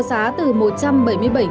giá của bộ cánh diều cao hơn